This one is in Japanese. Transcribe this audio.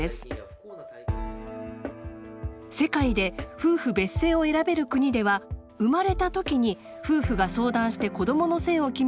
世界で夫婦別姓を選べる国では生まれた時に夫婦が相談して子どもの姓を決めるのがほとんど。